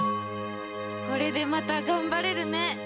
これでまた頑張れるね。